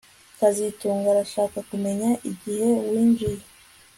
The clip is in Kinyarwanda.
kazitunga arashaka kumenya igihe winjiye